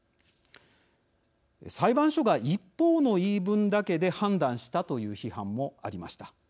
裁判所が一方の言い分だけで判断したという批判もありました。